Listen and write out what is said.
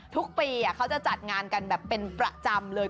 ทุกปีเขาจะจัดงานกันแบบเป็นประจำเลย